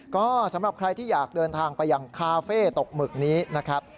ก็สำหรับใครที่อยากเดินทางไปยังคาเฟ่ตกหมึกนี้นะครับ